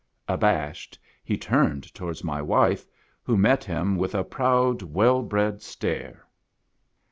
Abashed he turned towards my wife, who met him with a proud, well bred stare.